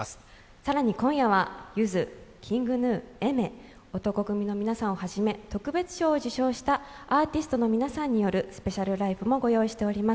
更に今夜はゆずＫｉｎｇＧｎｕ、Ａｉｍｅｒ男闘呼組の皆さんをはじめ特別賞を受賞したアーティストの皆さんによるスペシャルライブもご用意しております。